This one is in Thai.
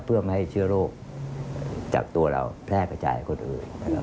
เพื่อไม่ให้เชื้อโรคจากตัวเราแพร่กระจายให้คนอื่น